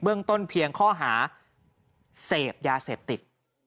เรื่องต้นเพียงข้อหาเสพยาเสพติด